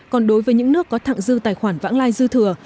còn đối với những nước có thẳng dư tài khoản vãng lai dư thừa